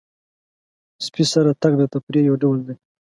سپي سره تګ د تفریح یو ډول دی.